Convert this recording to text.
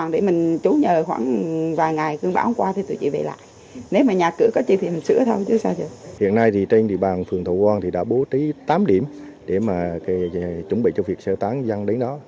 để chuẩn bị cho việc sơ tán dân đấy đó